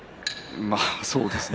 そうですね。